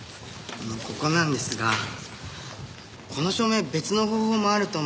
あのここなんですがこの証明別の方法もあると思うんです。